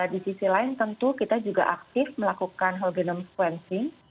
di sisi lain tentu kita juga aktif melakukan whole genome sequencing